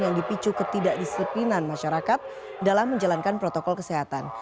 yang dipicu ketidakdisiplinan masyarakat dalam menjalankan protokol kesehatan